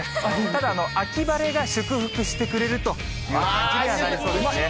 ただ秋晴れが祝福してくれるという形にはなりそうですね。